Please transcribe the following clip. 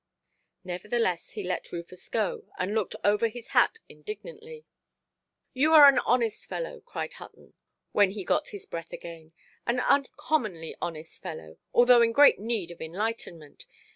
Nevertheless he let Rufus go, and looked over his hat indignantly. "You are an honest fellow", cried Hutton, when he got his breath again; "an uncommonly honest fellow, although in great need of enlightenment.